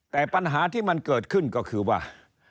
แต่ปัญหาที่มันเกิดขึ้นก็คือว่า